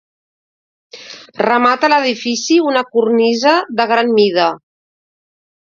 Remata l'edifici una cornisa de gran mida.